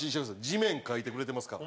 地面描いてくれてますから。